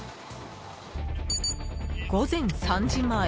午前３時前。